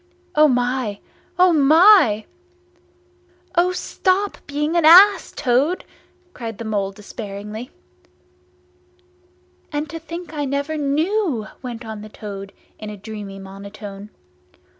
O my! O my!" "O stop being an ass, Toad!" cried the Mole despairingly. "And to think I never knew!" went on the Toad in a dreamy monotone.